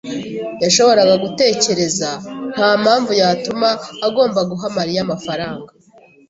yashoboraga gutekereza ntampamvu yatuma agomba guha Mariya amafaranga.